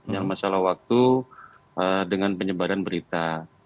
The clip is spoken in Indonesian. yang masalah waktu dengan penyebaran berita